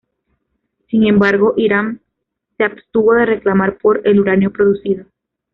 Sin embargo, Irán se abstuvo de reclamar por el uranio producido.